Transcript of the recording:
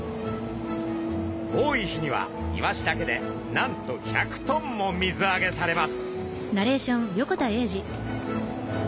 多い日にはイワシだけでなんと１００ｔも水揚げされます。